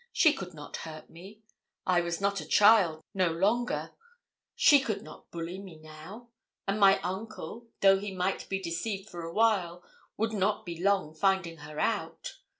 she could not hurt me. I was not a child no longer she could not bully me now; and my uncle, though he might be deceived for a while, would not be long finding her out.